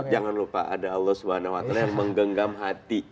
jangan lupa ada allah swt yang menggenggam hati